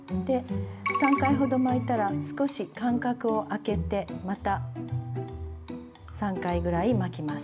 ３回ほど巻いたら少し間隔を空けてまた３回ぐらい巻きます。